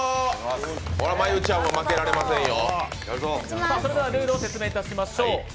これは真悠ちゃんは負けれませんよ。